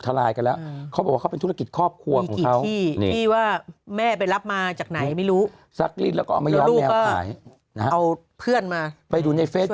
ทะลายแล้วเขาเป็นธุรกิจครอบครัวของเขาที่ว่าแม่รับมาจากไหนไม่รู้ซักนิด